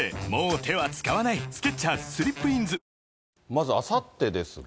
まずあさってですが。